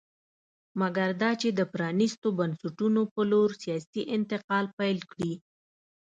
مګر دا چې د پرانېستو بنسټونو په لور سیاسي انتقال پیل کړي